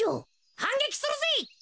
はんげきするぜ。